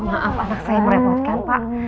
maaf anak saya merepotkan pak